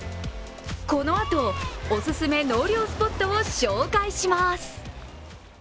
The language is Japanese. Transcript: このあと、オススメ納涼スポットを紹介します。